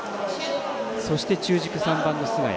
そして中軸３番の菅谷。